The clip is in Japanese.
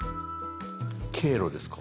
「経路」ですか？